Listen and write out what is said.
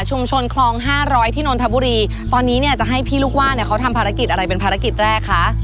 คลองห้าร้อยที่นนทบุรีตอนนี้เนี่ยจะให้พี่ลูกว่าเนี่ยเขาทำภารกิจอะไรเป็นภารกิจแรกคะ